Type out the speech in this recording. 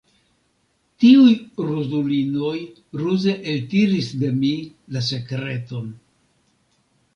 Tiuj ruzulinoj ruze eltiris de mi la sekreton.